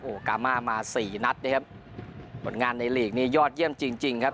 โอ้โหกามาสี่นัดนะครับผลงานในลีกนี้ยอดเยี่ยมจริงจริงครับ